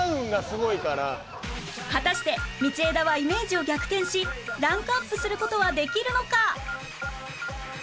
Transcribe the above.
果たして道枝はイメージを逆転しランクアップする事はできるのか！？